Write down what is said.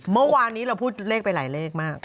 เมื่อวานนี้เราพูดเลขไปหลายเลขมาก